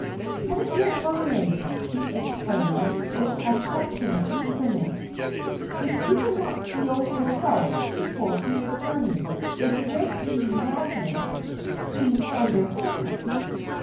' My dear Vernon,' she exclaimed, with affectionate eager ness, ' if you do not feel yourself equal to the journey it would be madness to undertake it.'